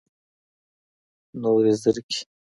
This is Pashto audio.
نوري زرکي